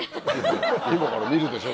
今から見るでしょ？